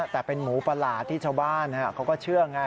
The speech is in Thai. แต่เป็นหมูประหลาดที่ชาวบ้านเขาก็เชื่อไง